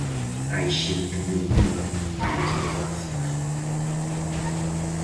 Hai xente moi viva para os negocios.